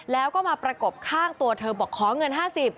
แล้วก็มาประกบข้างตัวเธอบอกขอเงิน๕๐บาท